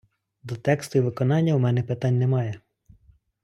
До тексту й виконання в мене питань немає.